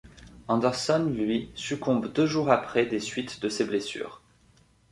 Anderson, lui, succombe deux jours après des suites de ses blessures.